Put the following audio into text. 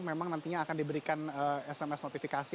memang nantinya akan diberikan sms notifikasi